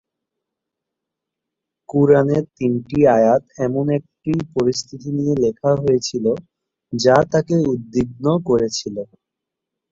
কুরআনের তিনটি আয়াত এমন একটি পরিস্থিতি নিয়ে লেখা হয়েছিল, যা তাকে উদ্বিগ্ন করেছিল।